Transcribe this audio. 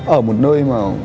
ở một nơi mà